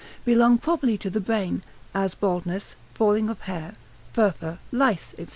belonging properly to the brain, as baldness, falling of hair, furfur, lice, &c.